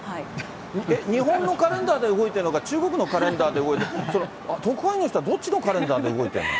日本のカレンダーで動いてるのか、中国のカレンダーで動いてるのか、特派員の人はどっちのカレンダーで動いてるの？